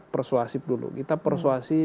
persuasi dulu kita persuasi